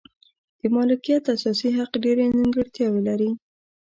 د مالکیت اساسي حق ډېرې نیمګړتیاوې لري.